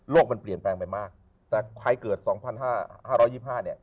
มันเปลี่ยนแปลงไปมากแต่ใครเกิด๒๕๕๒๕เนี่ย